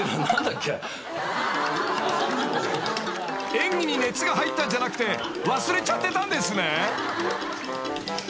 ［演技に熱が入ったんじゃなくて忘れちゃってたんですね］